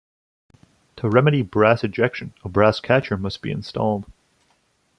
To remedy brass ejection a brass catcher must be installed.